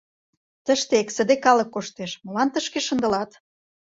— Тыште эксыде калык коштеш, молан тышке шындылат?